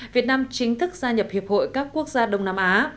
việt nam chính thức gia nhập hiệp hội các quốc gia đông nam á